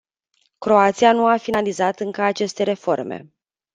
Croația nu a finalizat încă aceste reforme.